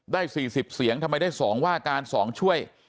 ๔๐เสียงทำไมได้๒ว่าการ๒ช่วย